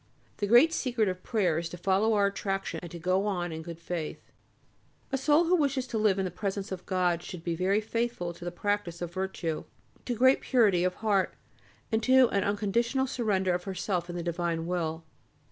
The great secret of prayer is to follow our attraction and to go to it in good faith. A soul who wishes to live in the presence of God should be very faithful to the practice of virtue, to great purity of heart, and to an unconditional surrender of herself to the divine will.